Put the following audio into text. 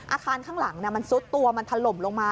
อาคารข้างหลังมันซุดตัวมันถล่มลงมา